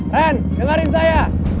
ren dengerin saya